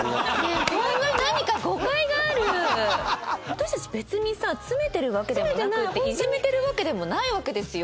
私たち別にさ詰めてるわけでもなくていじめてるわけでもないわけですよ。